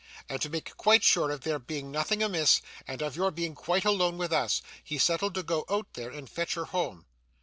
And to make quite sure of there being nothing amiss, and of your being quite alone with us, he settled to go out there and fetch her home.